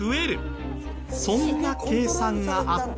そんな計算があったとも。